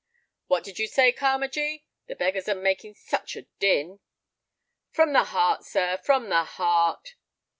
"What did you say, Carmagee? The beggars are making such a din—" "From the heart, sir, from the heart."